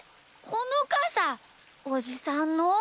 このかさおじさんの？